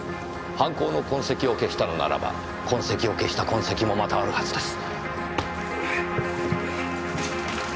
犯行の痕跡を消したのならば痕跡を消した痕跡もまたあるはずです。